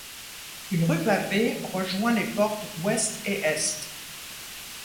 Une rue pavée rejoint les portes ouest et est.